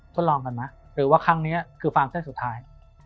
ทดลองกันไหมหรือว่าครั้งนี้คือฟางเส้นสุดท้าย